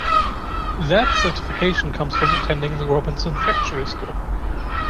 That certification comes from attending the Robinson factory school.